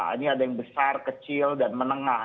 ini ada yang besar kecil dan menengah